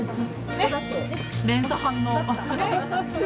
連鎖反応。